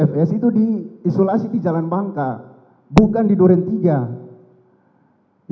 fs itu diisolasi di jalan bangka bukan di duren tiga